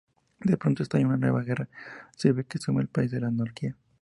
De pronto estalla una nueva guerra civil que sume al país en la anarquía.